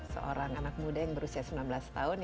seorang anak muda yang berusia sembilan belas tahun